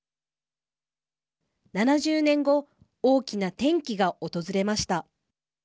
７０年後大きな転機が訪れました。